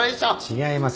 違います。